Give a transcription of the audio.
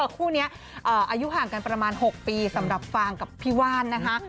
คู่นี้อายุห่างกันประมาณ๖ปีสำหรับฟางกับพี่ว่านนะคะ